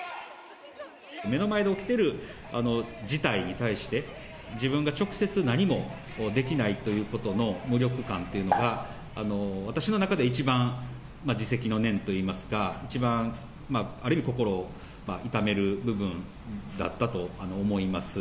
目の前で起きてる事態に対して、自分が直接何もできないということの無力感っていうのが、私の中で一番、自責の念といいますか、一番、ある意味心を痛める部分だったと思います。